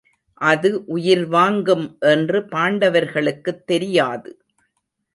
அதுஉயிர் வாங்கும் என்று பாண்டவர்களுக்குத்தெரியாது.